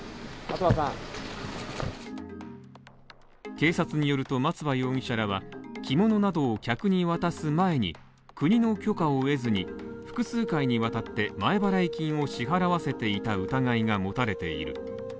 警察によると松葉容疑者らは着物などを客に渡す前に、国の許可を得ずに複数回にわたって、前払い金を支払わせていた疑いが持たれている。